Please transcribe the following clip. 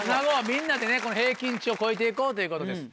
みんなでね平均値を超えて行こうということです。